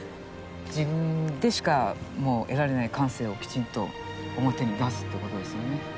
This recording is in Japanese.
自分でしか得られない感性をきちんと表に出すって事ですよね。